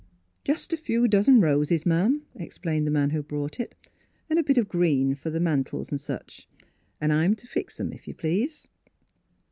" Just a few dozen roses, ma'am," ex plained the man who brought it, " and a bit of green for mantels and such. An' I'm to fix 'em if you please."